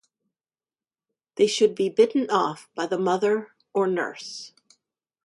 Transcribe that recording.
They should be bitten off by the mother or nurse.